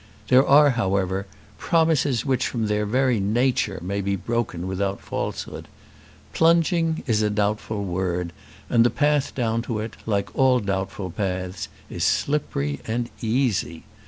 There are, however, promises which from their very nature may be broken without falsehood. Plunging is a doubtful word, and the path down to it, like all doubtful paths, is slippery and easy!